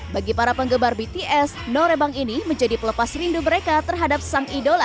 bagi para penggemar bts norebang ini menjadi pelepas rindu mereka terhadap sang idola